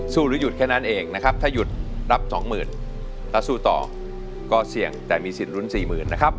หรือหยุดแค่นั้นเองนะครับถ้าหยุดรับสองหมื่นแล้วสู้ต่อก็เสี่ยงแต่มีสิทธิรุ้น๔๐๐๐นะครับ